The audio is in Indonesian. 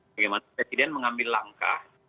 bagaimana presiden mengambil langkah